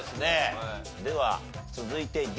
では続いてＤ。